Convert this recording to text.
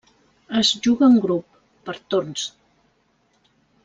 Es juga en grup, per torns.